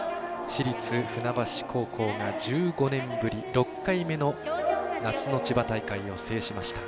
市立船橋高校が１５年ぶり６回目の夏の千葉大会を制しました。